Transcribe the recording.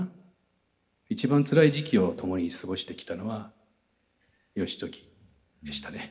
一番つらい時期を共に過ごしてきたのは義時でしたね」。